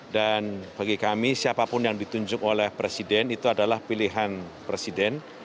dan bagi kami siapapun yang ditunjuk oleh presiden itu adalah pilihan presiden